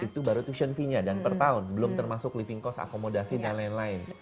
itu baru tution fee nya dan per tahun belum termasuk living cost akomodasi dan lain lain